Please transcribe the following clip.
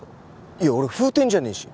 いや俺フーテンじゃねえし。